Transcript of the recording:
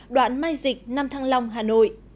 đoạn mai dịch nam thăng long hà nội